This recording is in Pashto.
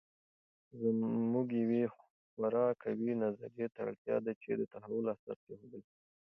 زموږ یوې خورا قوي نظریې ته اړتیا ده چې د تحول اساس کېښودل سي.